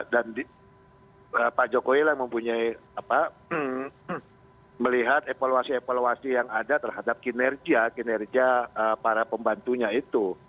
dan pak jokowi yang mempunyai melihat evaluasi evaluasi yang ada terhadap kinerja kinerja para pembantunya itu